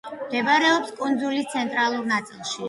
მდებარეობს კუნძულის ცენტრალურ ნაწილში.